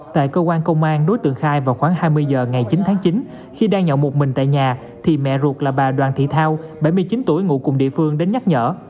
tại cơ quan công an đối tượng khai vào khoảng hai mươi h ngày chín tháng chín khi đang nhậu một mình tại nhà thì mẹ ruột là bà đoàn thị thao bảy mươi chín tuổi ngụ cùng địa phương đến nhắc nhở